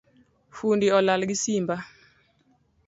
Fundi olal gi simba